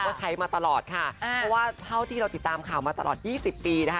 ก็ใช้มาตลอดค่ะเพราะว่าเท่าที่เราติดตามข่าวมาตลอดยี่สิบปีนะคะ